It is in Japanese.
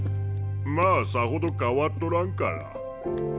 まあさほど変わっとらんから。